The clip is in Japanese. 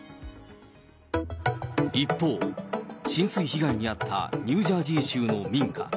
一方、浸水被害に遭ったニュージャージー州の民家。